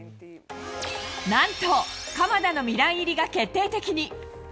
なんと、鎌田のミラン入りが決定的に。